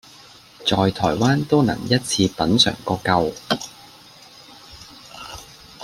在台灣都能一次品嚐個夠